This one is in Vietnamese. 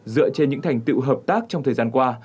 dựa trên những thành tựu hợp tác trong thời gian qua